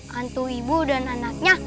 hantu ibu dan anaknya